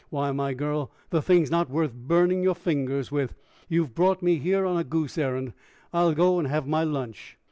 Why, my girl! the thing's not worth burning your fingers with. You've brought me here on a goose errand. I'll go and have my lunch."